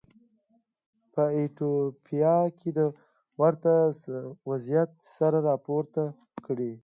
په ایتوپیا کې د ورته وضعیت سر راپورته کړ.